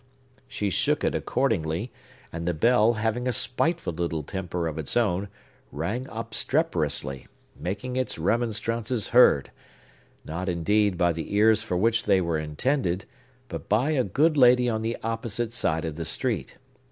She shook it accordingly, and the bell, having a spiteful little temper of its own, rang obstreperously, making its remonstrances heard,—not, indeed, by the ears for which they were intended,—but by a good lady on the opposite side of the street.